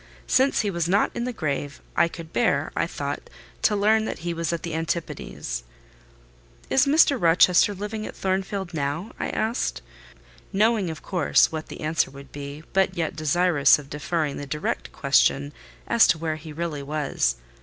Since he was not in the grave, I could bear, I thought, to learn that he was at the Antipodes. "Is Mr. Rochester living at Thornfield Hall now?" I asked, knowing, of course, what the answer would be, but yet desirous of deferring the direct question as to where he really was.